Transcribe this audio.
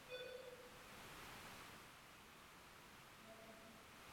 aliweza kuuwawa mwaka elfu mbili na saba